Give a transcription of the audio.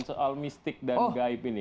soal mistik dan gaib ini